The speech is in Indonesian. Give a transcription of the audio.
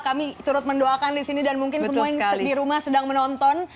kami turut mendoakan di sini dan mungkin semua yang di rumah sedang menonton